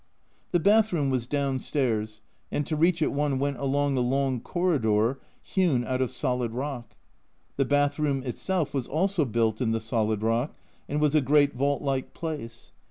The bath room was downstairs, and to reach it one went along a long corridor hewn out of solid rock. The bath room itself was also built in the solid rock. and was a great vault like place.